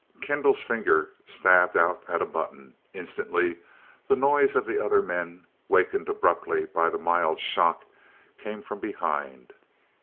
Kendall's finger stabbed out at a button. Instantly the noise of the other men, wakened abruptly by the mild shocks, came from behind.